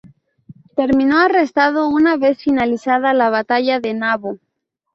Terminó arrestado una vez finalizada la batalla de Naboo.